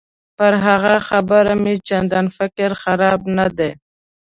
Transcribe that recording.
پر هغه خبره مې چندان فکر خراب نه دی.